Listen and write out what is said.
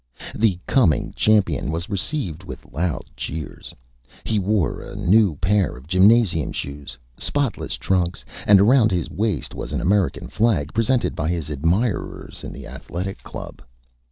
The Coming Champion was received with Loud Cheers. He wore a new Pair of Gymnasium Shoes, spotless Trunks, and around his Waist was an American Flag, presented by his Admirers in the Athletic Club.